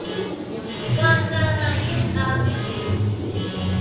時間がないんだ。